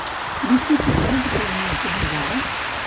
Visqué sempre de forma acomodada?